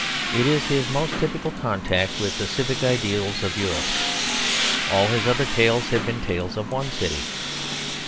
It is his most typical contact with the civic ideals of Europe. All his other tales have been tales of one city.